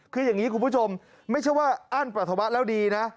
คืออย่างนี้คุณผู้ชมไม่ใช่ว่าอั้นปัสสาวะแล้วดีนะ